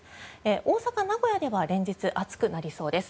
大阪、名古屋では連日暑くなりそうです。